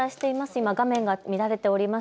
今画面が乱れております。